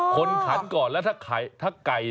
ขันก่อนแล้วถ้าไก่